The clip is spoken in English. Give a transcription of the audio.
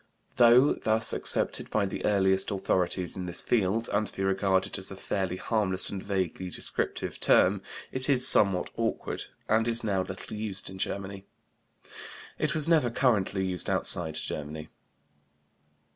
Though thus accepted by the earliest authorities in this field, and to be regarded as a fairly harmless and vaguely descriptive term, it is somewhat awkward, and is now little used in Germany; it was never currently used outside Germany.